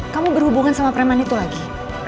kamu berhubungan sama preman itu lagi